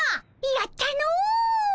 やったの！